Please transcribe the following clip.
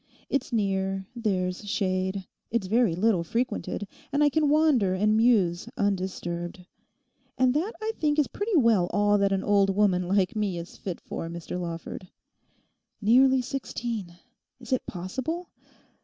It's near; there's shade; it's very little frequented; and I can wander and muse undisturbed. And that I think is pretty well all that an old woman like me is fit for, Mr Lawford. "Nearly sixteen!" Is it possible?